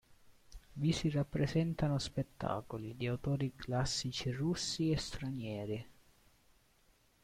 Vi si rappresentano spettacoli di autori classici russi e stranieri.